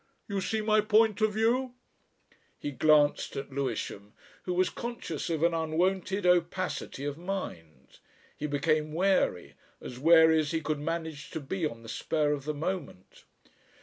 You see my point of view?" He glanced at Lewisham, who was conscious of an unwonted opacity of mind. He became wary, as wary as he could manage to be on the spur of the moment.